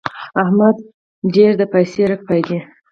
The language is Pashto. احمد ډېر د پايڅې رګی پالي.